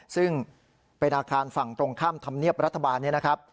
ซึ่งเป็นอาคารฝั่งตรงข้ามธรรมเนียบรัฐบาลนี้นะครับ